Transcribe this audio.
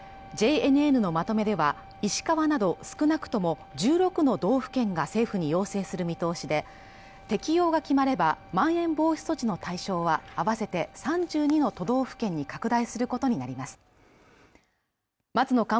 ＪＮＮのまとめでは石川など少なくとも１６の道府県が政府に要請する見通しで適用が決まればまん延防止措置の対象は合わせて３２の都道府県に拡大することになります松野